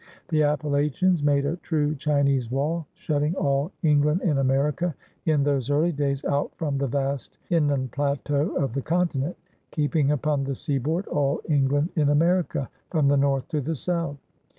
The Appalachians made a true Chinese Wall, shutting all England in America, in those early days, out from the vast inland plateau of the continent, keeping upon the seaboard all Eng land in America, from the north to the south.